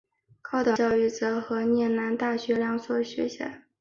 高等教育则有和摄南大学两所大学。